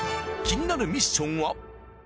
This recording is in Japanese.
気になるミッションは？